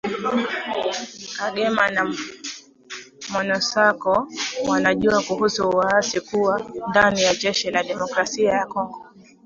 Kagame na Monusco wanajua kuhusu waasi kuwa ndani ya jeshi la Demokrasia ya Kongo